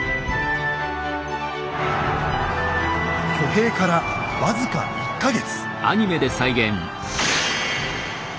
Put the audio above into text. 挙兵から僅か１か月。